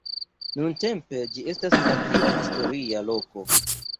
Nuntempe, ĝi estas nacia historia loko.